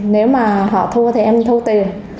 nếu mà họ thua thì em thu tiền